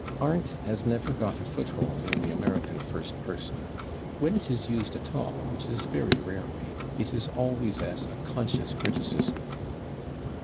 /Aren't/ has never got a foothold in the American first person; when it is used at all, which is very rarely, it is always as a conscious Briticism.